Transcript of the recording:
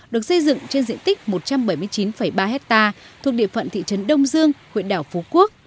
được xây dựng trên diện tích một trăm bảy mươi chín ba hectare thuộc địa phận thị trấn đông dương huyện đảo phú quốc